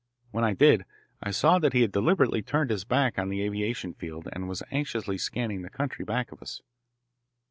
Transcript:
When I did, I saw that he had deliberately turned his back on the aviation field, and was anxiously, scanning the country back of us.